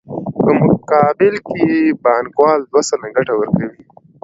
په مقابل کې یې بانکوال دوه سلنه ګټه ورکوي